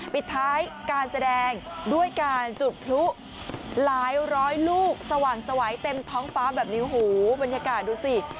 ปิดท้ายการแสดงด้วยการจุดพลุหลายร้อยลูกสว่างสวัยเต็มท้องฟ้าแบบนี้หูบรรยากาศดูสิ